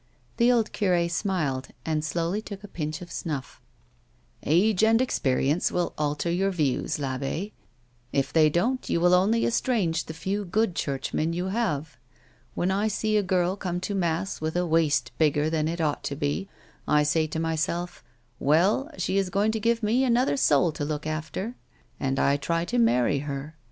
The old cure smiled and slowly took a pinch of snufiF. " Age and experience will alter your views, I'abbe ; if they don't you will only estrange the few good Churchmen you have. When I see a girl come to mass with a waist bigger than it ought to be, I say to myself —' Well, she is going to give me another soul to look after ;'— and I try to marry her.